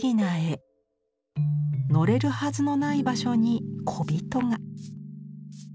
のれるはずのない場所に小人が。